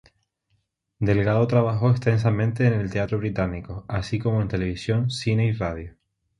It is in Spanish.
Delgado trabajó extensamente en el teatro británico, así como en televisión, cine y radio.